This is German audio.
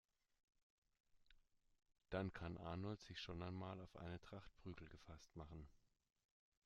Dann kann Arnold sich schon einmal auf eine Tracht Prügel gefasst machen.